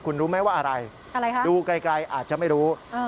คุณรู้ไหมว่าอะไรดูใกล้อาจจะไม่รู้อะไรคะ